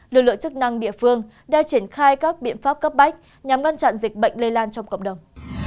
lực lượng chức năng địa phương đã triển khai các biện pháp cấp bách nhằm ngăn chặn dịch bệnh lây lan trong cộng đồng